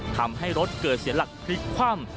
ทำให้รถเกิดเสียหลักพลิกคว่ำ